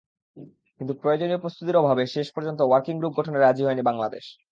কিন্তু প্রয়োজনীয় প্রস্তুতির অভাবে শেষ পর্যন্ত ওয়ার্কিং গ্রুপ গঠনে রাজি হয়নি বাংলাদেশ।